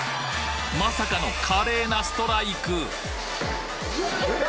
まさかの華麗なストライク！